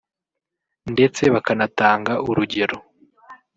ndetse bakanatanga urugero